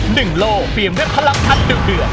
หนึ่งโลกเปรียบด้วยพลักษณ์อัดเดือด